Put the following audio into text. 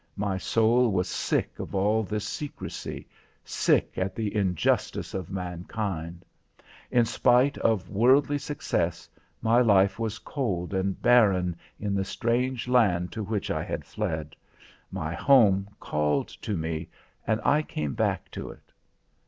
My soul was sick of all this secrecy, sick at the injustice of mankind. In spite of worldly success, my life was cold and barren in the strange land to which I had fled. My home called to me and I came back to it.